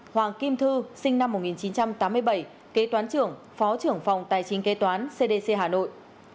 hoàng kim thư sinh năm một nghìn chín trăm tám mươi bảy kế toán trưởng phó trưởng phòng tài chính kế toán cdc hà nội